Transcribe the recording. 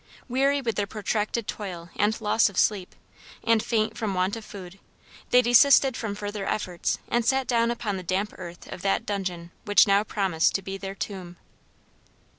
Weary with their protracted toil and loss of sleep, and faint from want of food, they desisted from further efforts and sat down upon the damp earth of that dungeon which now promised to be their tomb.